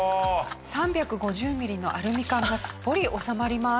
３５０ミリのアルミ缶がすっぽり収まります。